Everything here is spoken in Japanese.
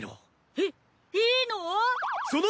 えっいいの？